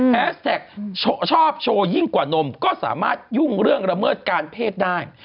แสกชอบโชว์ยิ่งกว่านมก็สามารถยุ่งเรื่องระเมิดการเพศได้